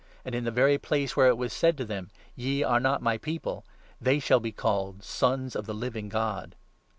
And in the very 'place where it was said to them— 26 " Ye are not my People ", They shall be called Sons of the Living God.'